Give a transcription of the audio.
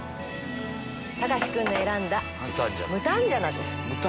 隆史君の選んだムタンジャナです。